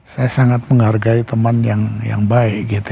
saya sangat menghargai teman yang baik